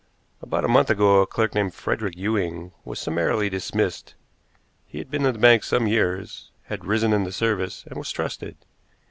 About a month ago a clerk named Frederick Ewing was summarily dismissed. He had been in the bank some years, had risen in the service, and was trusted.